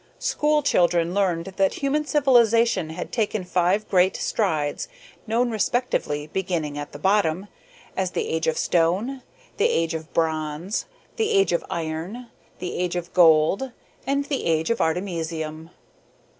School children learned that human civilization had taken five great strides, known respectively, beginning at the bottom, as the "age of stone," the "age of bronze," the "age of iron," the "age of gold," and the "age of artemisium."